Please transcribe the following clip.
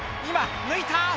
今抜いた！